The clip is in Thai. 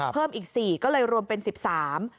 เพิ่มอีกสี่ก็เลยรวมเป็นสิบสาม